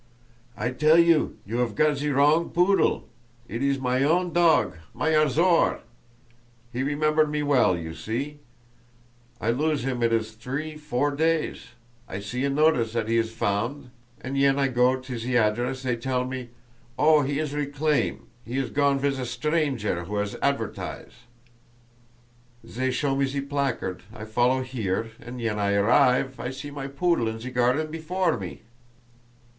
"I tell you, you 'ave got ze wrong poodle—it is my own dog, my Azor! He remember me well, you see? I lose him, it is three, four days. ... I see a nottice zat he is found, and ven I go to ze address zey tell me, 'Oh, he is reclaim, he is gone viz a strangaire who has advertise.' Zey show me ze placard; I follow 'ere, and ven I arrive I see my poodle in ze garden before me!"